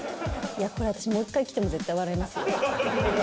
やっぱり私、もう一回来ても絶対笑いますよ。